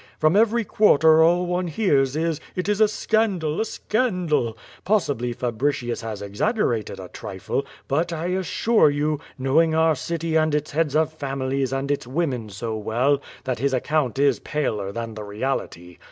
From every quarter all one hears is, it is a scandal, a scandal. Possibly Fabricius has exaggerated a trifle, but I assure you, knowing our city and its heads of families and its women so well, that his account is paler than the reality.